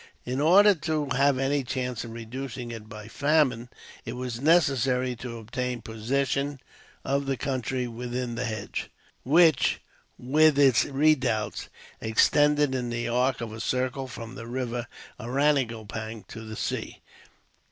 In order to have any chance of reducing it by famine, it was necessary to obtain possession of the country within the hedge; which, with its redoubts, extended in the arc of a circle from the river Ariangopang to the sea.